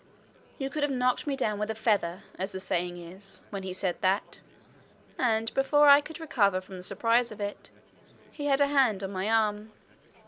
You could have knocked me down with a feather, as the saying is, when he said that. And before I could recover from the surprise of it, he had a hand on my arm.